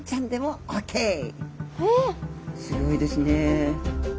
すギョいですね。